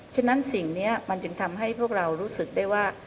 ฉะนั้นสิ่งนี้มันจึงทำให้พวกเรารู้สึกได้ว่า